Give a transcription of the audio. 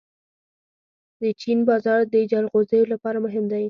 د چین بازار د جلغوزیو لپاره مهم دی.